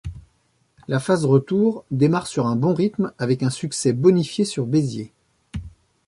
La phase retour démarre sur un bon rythme, avec un succès bonifié sur Béziers.